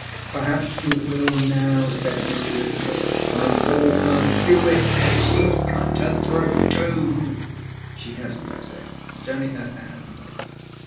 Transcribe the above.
Perhaps you will now!" said Miss Elizabeth. "I saw her do it, and she's cut her throat too!" "She hasn't," I said. "It's only her hand."